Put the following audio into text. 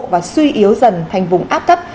và suy yếu dần thành vùng áp thấp